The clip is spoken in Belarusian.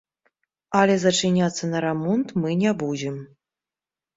Але зачыняцца на рамонт мы не будзем.